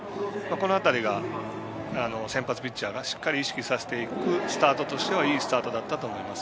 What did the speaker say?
この辺りが先発ピッチャーがしっかり意識させていくスタートとしてはいいスタートだったと思います。